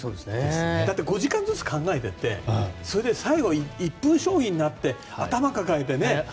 だって、５時間ずつ考えていってそれで、最後１分将棋になって頭を抱えてね。